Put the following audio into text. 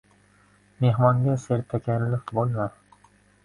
— Mehmonga sertakalluf bo‘lma.